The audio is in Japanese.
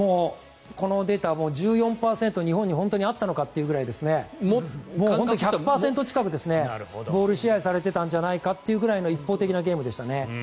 このデータ、１４％日本にあったのかというぐらい１００％近く、ボールを支配されていたんじゃないかというぐらいの一方的なゲームでしたね。